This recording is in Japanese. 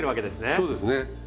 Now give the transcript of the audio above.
そうですね。